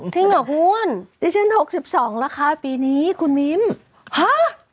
จริงหรอคุณที่ชั้น๖๒แล้วค่ะปีนี้คุณมิ้มหา